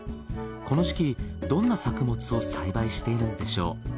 この時期どんな作物を栽培しているんでしょう？